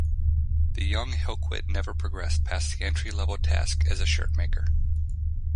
The young Hillquit never progressed past that entry-level task as a shirtmaker.